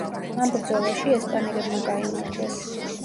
ამ ბრძოლაში ესპანელებმა გაიმარჯვეს.